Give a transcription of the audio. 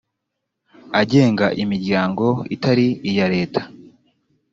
agenga imiryango itari iya leta